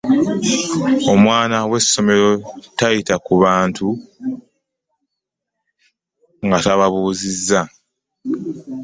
Omwana we ssomero tayita ku bantu nga tababuuzizza.